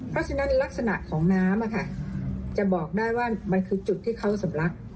เพราะฉะนั้นลักษณะของน้ำจะบอกได้ว่ามันคือจุดที่เขาสำลัก